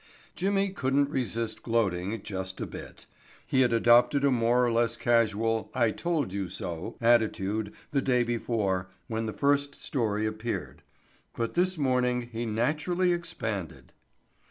Jimmy couldn't resist gloating just a little bit. He had adopted a more or less casual, "I told you so" attitude the day before when the first story appeared, but this morning he just naturally expanded.